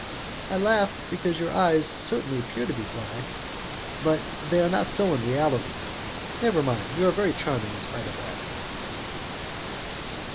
"I laugh because your eyes certainly appear to be black, but they are not so in reality. Never mind, you are very charming in spite of that."